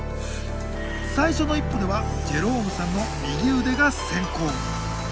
最初の一歩ではジェロームさんの右腕が先行。